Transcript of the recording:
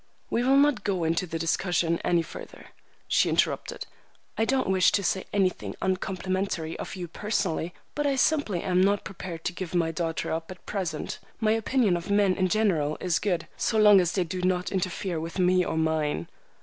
"We will not go into the discussion any further," she interrupted. "I don't wish to say anything uncomplimentary of you personally, but I simply am not prepared to give my daughter up at present. My opinion of men in general is good, so long as they do not interfere with me or mine."